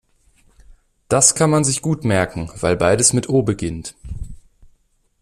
Das kann man sich gut merken, weil beides mit O beginnt.